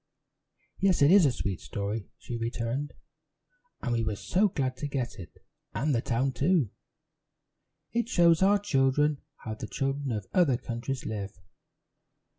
"Yes, it is a sweet story," she returned, "and we were so glad to get it, and the town, too. It shows our children how the children of other countries live."